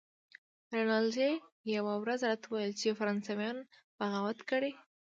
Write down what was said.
رینالډي یوه ورځ راته وویل چې فرانسویانو بغاوت کړی.